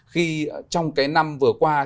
khi trong năm vừa qua